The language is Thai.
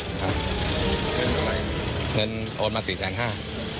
เงินอะไรเงินโอนมาสี่แสนห้า